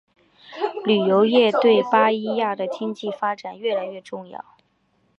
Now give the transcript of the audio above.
旅游业对巴伊亚的经济发展越来越重要。